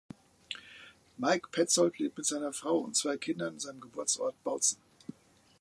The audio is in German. Maik Petzold lebt mit seiner Frau und zwei Kindern in seinem Geburtsort Bautzen.